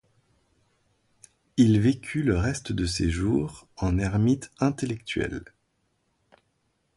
Il vécut le reste de ses jours en ermite intellectuel.